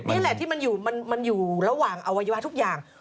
นี่แหละที่มันอยู่ระหว่างอวัยวะทุกอย่าง